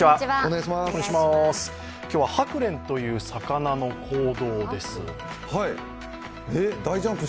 今日はハクレンという魚の行動です。